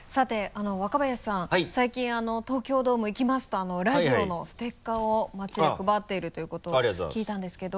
最近「東京ドーム行きます」とラジオのステッカーを街で配っているということを聞いたんですけど。